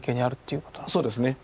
そうですね。